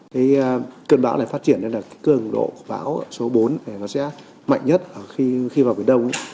cái cơn bão này phát triển nên là cường độ bão số bốn nó sẽ mạnh nhất khi vào phía đông